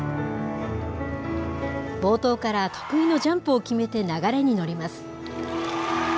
冒頭から得意のジャンプを決めて流れに乗ります。